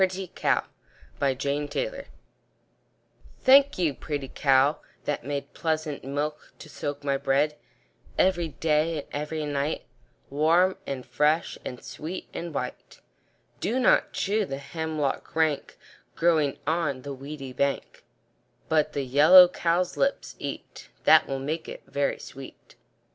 ANONYMOUS PRETTY COW Thank you, pretty cow, that made Pleasant milk to soak my bread, Every day and every night, Warm, and fresh, and sweet, and white Do not chew the hemlock rank, Growing on the weedy bank; But the yellow cowslips eat, That will make it very sweet.